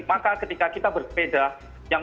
maka ketika kita bersepeda yang